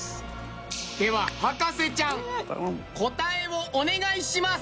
では博士ちゃん答えをお願いします。